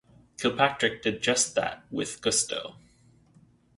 Kilpatrick did just that, with gusto.